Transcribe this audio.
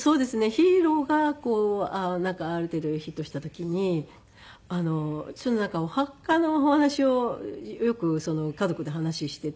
『ヒーロー』がある程度ヒットした時にお墓のお話をよく家族で話をしていたんですね。